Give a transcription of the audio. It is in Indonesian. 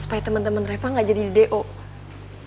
supaya temen temen reva gak jadi di dekau